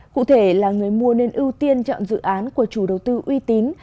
cụ thể là người mua nên ưu tiên chọn dự án của chủ đầu tư uy tín